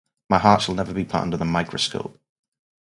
My heart shall never be put under their microscope.